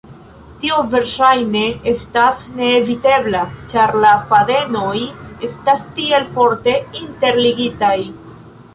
Tio verŝajne estas neevitebla, ĉar la fadenoj estas tiel forte interligitaj.